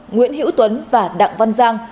nguyễn hữu tuấn và đặng văn giang